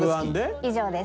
以上です。